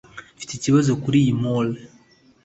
Mfite ikibazo kuriyi mole